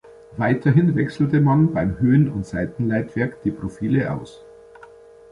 Weiterhin wechselte man beim Höhen- und Seitenleitwerk die Profile aus.